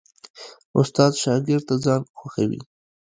استاد شاګرد ته ځان خوښوي.